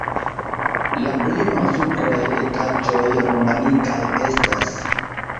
La pli malsupraj etaĝoj romanikaj estas.